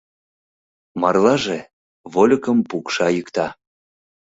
Марлаже — вольыкым пукша-йӱкта...